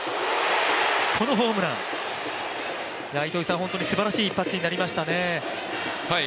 このホームラン、すばらしい一発になりましたね。